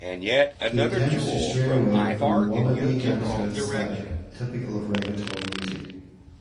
He attempts to stray away from the "wannabe gangster aesthetic" typical of reggaeton music.